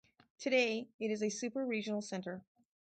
Today it is a super-regional center.